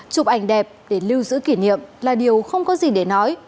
chụp ảnh đẹp để lưu giữ kỷ niệm là điều không có gì để nói